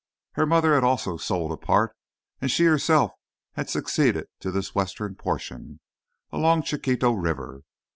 Her mother had also sold a part, and she herself had succeeded to this western portion, along Chiquito River.